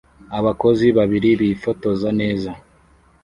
Abakozi babiri bifotoza neza